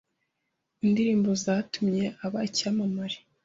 indirimbo zatumye aba icyamamara